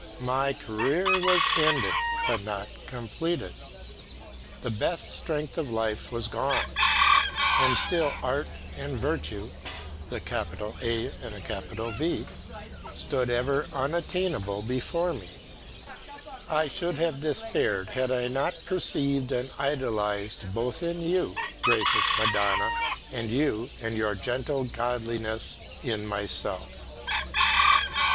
My career was ended, but not completed. The best strength of life was gone, and still Art and Virtue stood ever unattainable before me. I should have despaired, had I not perceived and idolized both in you, gracious Madonna, and you and your gentle godliness in myself.